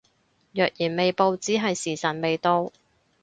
若然未報只係時辰未到